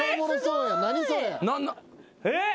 えっ？